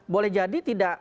boleh jadi tidak